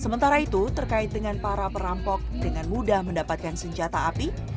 sementara itu terkait dengan para perampok dengan mudah mendapatkan senjata api